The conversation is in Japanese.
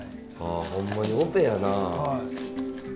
あほんまにオペやな。